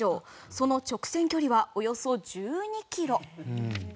その直線距離はおよそ１２ｋｍ。